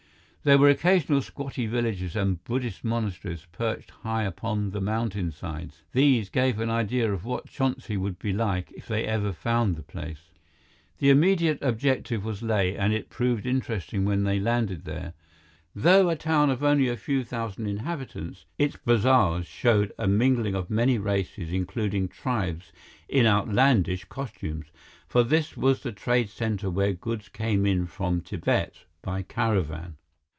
There were occasional squatty villages and Buddhist monasteries perched high upon the mountainsides. These gave an idea of what Chonsi would be like if ever they found the place. The immediate objective was Leh, and it proved interesting when they landed there. Though a town of only a few thousand inhabitants, its bazaars showed a mingling of many races including tribes in outlandish costumes, for this was the trade center where goods came in from Tibet by caravan.